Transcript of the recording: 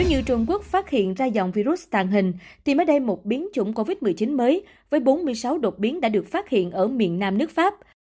nếu như trung quốc phát hiện ra dòng virus tàn hình thì mới đây một biến chủng covid một mươi chín mới với bốn mươi sáu đột biến đã được phát hiện ở miền nam nước pháp